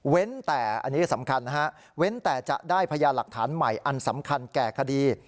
แต่อันนี้สำคัญนะฮะเว้นแต่จะได้พยานหลักฐานใหม่อันสำคัญแก่คดี